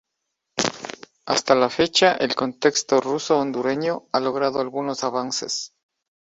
Hasta la fecha, el contexto ruso-hondureño, ha logrado algunos avances.